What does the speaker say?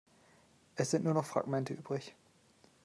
Es sind nur noch Fragmente übrig.